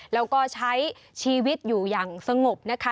แล้วก็ใช้ชีวิตอยู่อย่างสงบนะคะ